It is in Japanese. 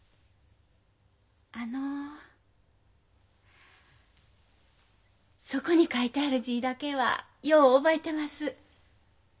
あのそこに書いてある字だけはよう覚えてます。